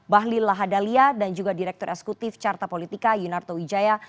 bahlil lahadalia dan juga direktur eksekutif carta politika yunarto wijaya